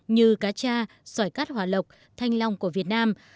như cá cha xoài cát hỏa lộc thanh long của việt nam